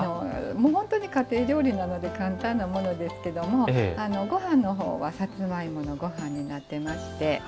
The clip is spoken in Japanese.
本当に家庭料理なので簡単なものですけどもごはんのほうはさつまいものごはんになっていまして。